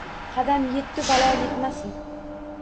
Qadam yettu balo yetmasun!